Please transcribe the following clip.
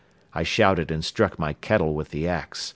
I shouted and struck my kettle with the ax.